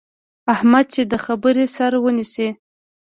احمد چې د خبرې سر ونیسي،